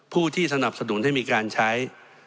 ผู้ที่สนับสนุนให้มีการใช้